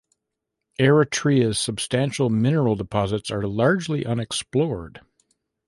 Eritrea's substantial mineral deposits are largely unexplored.